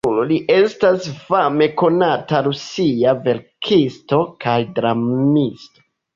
Li estis fame konata rusia verkisto kaj dramisto.